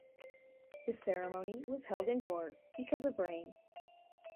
The ceremony was held indoors because of rain.